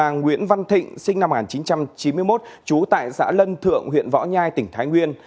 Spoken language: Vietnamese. và nguyễn văn thịnh sinh năm một nghìn chín trăm chín mươi một trú tại xã lân thượng huyện võ nhai tỉnh thái nguyên